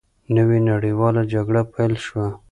نوې نړیواله جګړه پیل شوه.